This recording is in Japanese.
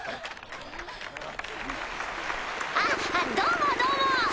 あっどうもどうも！